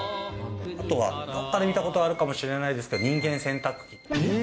あとはどこかで見たことはあるかもしれないですけど、人間洗濯機。